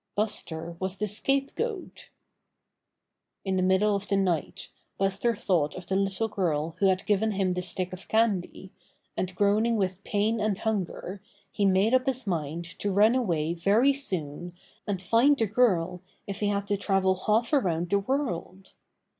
Buster was the scape goat. In the middle of the night, Buster thought of the little girl who had given him the stick of candy, and groaning with pain and hunger Buster's Cruel Masters 53 he made up his mind to run away very soon and find the girl if he had to travel half around the world.